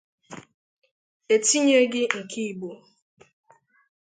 e tinyeghị nke Igbo